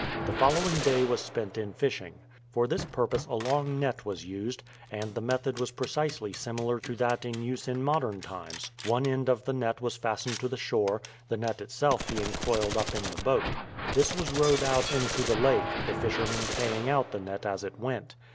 The following day was spent in fishing. For this purpose a long net was used, and the method was precisely similar to that in use in modern times. One end of the net was fastened to the shore, the net itself being coiled up in the boat. This was rowed out into the lake, the fishermen paying out the net as it went.